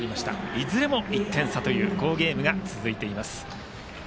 いずれも１点差という好ゲームが続いています。